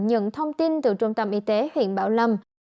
nhận thông tin từ trung tâm y tế huyện bảo lâm